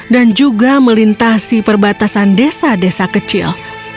dan juga melintasi perbatasan desa desa kecil